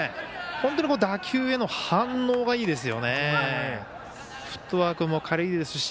本当に打球への反応がいいですよね。